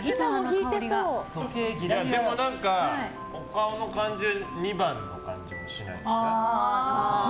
お顔の感じは２番の感じしないですか？